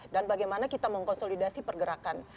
dan bagaimana kita mengkonsolidasi pergerakan